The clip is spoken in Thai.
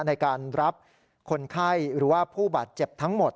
ในการรับคนไข้หรือว่าผู้บาดเจ็บทั้งหมด